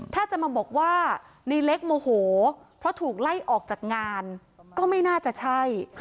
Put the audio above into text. ถ้าจะมาบอกว่าในเล็กโมโหเพราะถูกไล่ออกจากงานก็ไม่น่าจะใช่